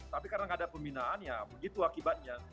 tapi karena nggak ada pembinaannya begitu akibatnya